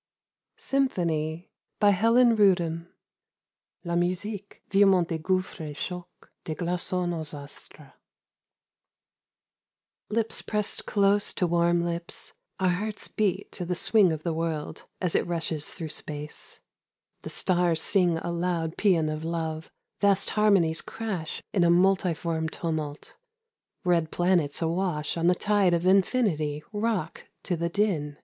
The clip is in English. SYMPHONY. (La musique, virement des gotiffres et chocs des glacons aax astres.) LIPS pressed close to warm lips Our hearts beat to the swing of the world As it rushes through space, The stars sing a loud paean of love, Vast harmonies crash in a multiform tumult, Red planets a wash on the tide of Infinity Rock to the din.